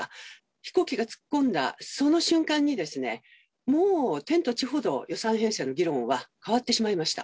飛行機が突っ込んだその瞬間にですね、もう天と地ほど予算編成の議論は変わってしまいました。